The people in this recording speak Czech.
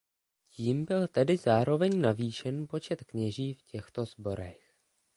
Tím byl tedy zároveň navýšen počet kněží v těchto sborech.